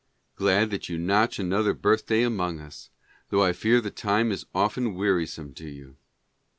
... Glad that you notch another birthday among us — tho' I fear the time is often wearisome to you.